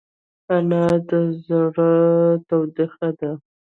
انا د زړه تودوخه ده